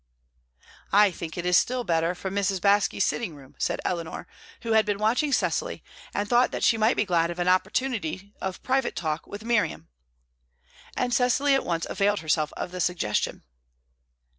"I think it is still better from Mrs. Baske's sitting room," said Eleanor, who had been watching Cecily, and thought that she might be glad of an opportunity of private talk with Miriam. And Cecily at once availed herself of the suggestion.